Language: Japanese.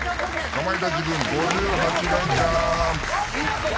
かまいたち軍５８レンチャン。